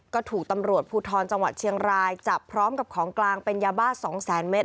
ก็ถูกตำรวจภูทรจังหวัดเชียงรายจับพร้อมกับของกลางเป็นยาบ้า๒แสนเมตร